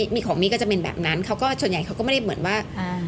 มีของมีก็จะเป็นแบบนั้นเขาก็ส่วนใหญ่เขาก็ไม่ได้เหมือนว่า